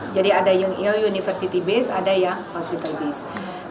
jadi ada yang university based ada yang hospital based